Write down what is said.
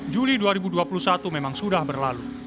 juli dua ribu dua puluh satu memang sudah berlalu